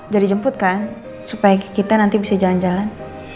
jadi jemput kan supaya kita nanti bisa jalan jalan